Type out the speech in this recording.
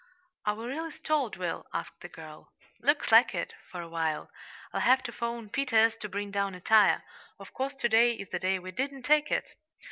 "Are we really stalled, Will?" asked the girl. "Looks like it for a while. I'll have to telephone Peters to bring down a tire. Of course, to day is the day we didn't take it!"